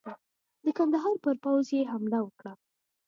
د کندهار پر پوځ یې حمله وکړه.